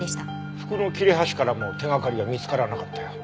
服の切れ端からも手がかりは見つからなかったよ。